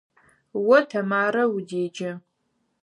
О Тэмарэ удеджэ.